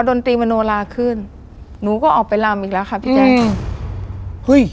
พอดนตรีมโนราขึ้นหนูก็ออกไปลำอีกแล้วค่ะพี่ใจอืม